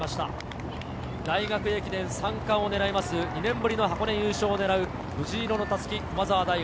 大学駅伝３冠をねらいます、２年ぶりの箱根優勝を狙う藤色の襷、駒澤大学。